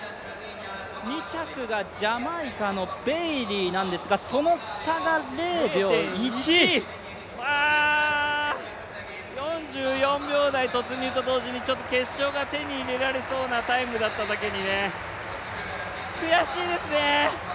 ２着がジャマイカのベイリーなんですが４４秒台突入と同時にちょっと決勝が手に入れられそうなタイムだっただけに、悔しいですね！